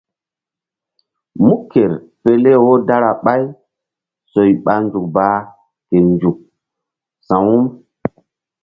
Mú ker pele wo dara ɓay soy ɓa nzukbaa ke nzuk sa̧wu.